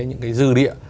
những cái dư địa